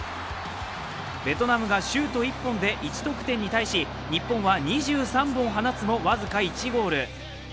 ベトナムがシュート１本で１得点に対し日本は２３本放つも僅か１ゴール。